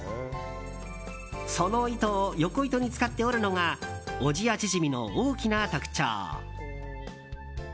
その糸を横糸に使って織るのが小千谷縮の大きな特徴。